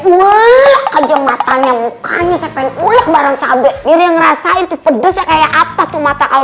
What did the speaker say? pulang aja matanya mukanya sepenulah barang cabe diri ngerasain tuh pedes kayak apa tuh mata kalau